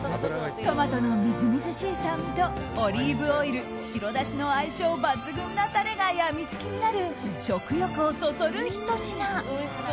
トマトのみずみずしい酸味とオリーブオイル白だしの相性抜群なタレがやみつきになる食欲をそそるひと品。